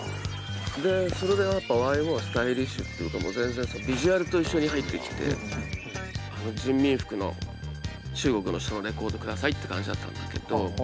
でそれでやっぱＹＭＯはスタイリッシュっていうかもう全然ビジュアルと一緒に入ってきて「あの人民服の中国の人のレコード下さい」って感じだったんだけど。